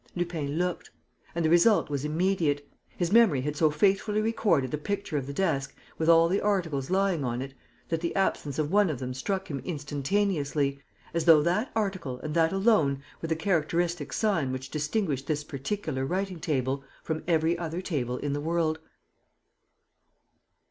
Lupin looked. And the result was immediate. His memory had so faithfully recorded the picture of the desk, with all the articles lying on it, that the absence of one of them struck him instantaneously, as though that article and that alone were the characteristic sign which distinguished this particular writing table from every other table in the world.